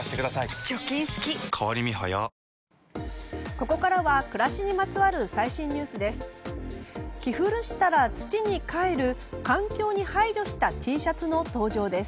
ここからは暮らしにまつわる最新ニュースです。